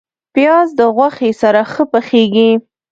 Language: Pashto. پیاز د غوښې سره ښه پخیږي